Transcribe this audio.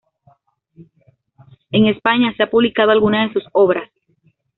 En España se ha publicado algunas de sus obras.